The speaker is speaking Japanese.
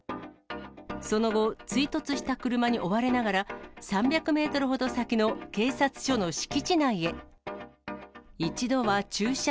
その後、追突した車に追われながら、３００メートルほど先の警察署の敷地内へ。